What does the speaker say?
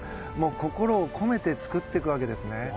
心を込めて作っていくわけですね。